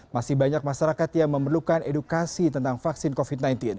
masih banyak masyarakat yang memerlukan edukasi tentang vaksin covid sembilan belas